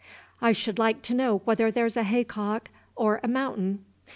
"I should like to know whether that's a hay cock or a mountain!"